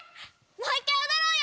もういっかいおどろうよ！